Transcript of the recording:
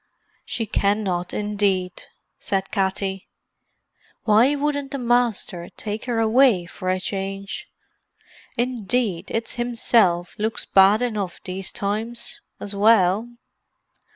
"She cannot, indeed," said Katty. "Why wouldn't the Masther take her away for a change? Indeed, it's himself looks bad enough these times, as well.